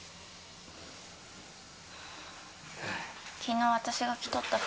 昨日私が着とった服